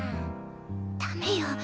ダメよ